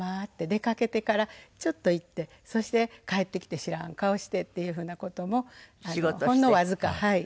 出かけてからちょっと行ってそして帰ってきて知らん顔してっていう風な事もほんのわずかはい。